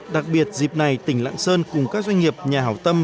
đặc biệt dịp này tỉnh lạng sơn cùng các doanh nghiệp nhà hảo tâm